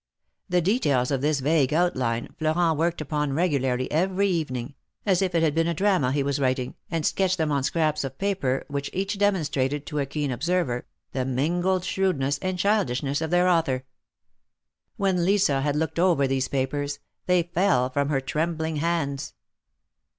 The details of this vague outline Florent worked upon regularly every evening, as if it had been a drama he was writing, and sketched them on scraps of paper, which each demonstrated to a keen observer, the mingled shrewdness and childish ness of their author. When Lisa had looked over these papers, they fell from her trembling hands.